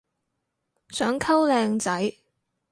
想溝靚仔